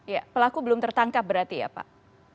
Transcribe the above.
ya pelaku belum tertangkap berarti ya pak